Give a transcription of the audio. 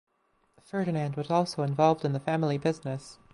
Ferdinand was also involved in the family business.